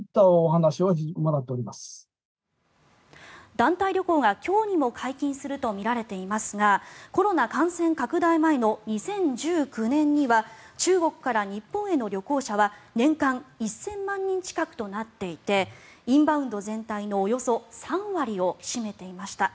団体旅行が今日にも解禁するとみられていますがコロナ感染拡大前の２０１９年には中国から日本への旅行者は年間１０００万人近くとなっていてインバウンド全体のおよそ３割を占めていました。